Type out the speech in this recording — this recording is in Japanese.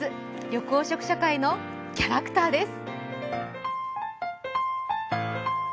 緑黄色社会の「キャラクター」です。